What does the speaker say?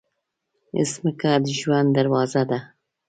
مځکه د ژوند دروازه ده.